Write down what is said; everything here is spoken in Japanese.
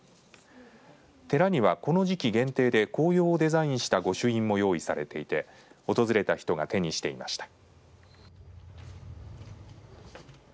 寺には、この時期限定で紅葉をデザインした御朱印も用意されていて訪れた人が手にしていました。